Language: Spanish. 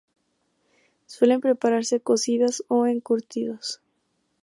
Suelen prepararse cocidas o en encurtidos.